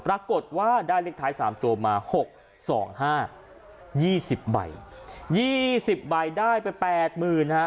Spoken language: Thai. ปรากฏว่าได้เลขท้าย๓ตัวมา๖๒๕๒๐ใบ๒๐ใบได้ไป๘๐๐๐๐ฮะ